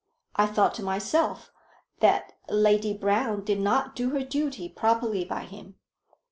I thought to myself that Lady Brown did not do her duty properly by him.